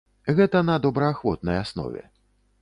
Гэта на добраахвотнай аснове.